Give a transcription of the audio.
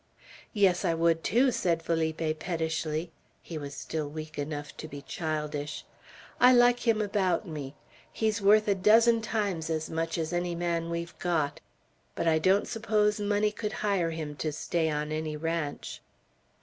"Yes, I would, too!" said Felipe, pettishly. He was still weak enough to be childish. "I like him about me. He's worth a dozen times as much as any man we've got. But I don't suppose money could hire him to stay on any ranch."